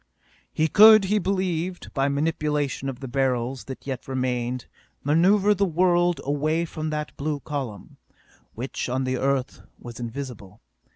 He could, he believed, by manipulation of the Beryls that yet remained, maneuver the world away from that blue column which on the Earth was invisible.